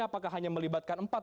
apakah hanya melibatkan empat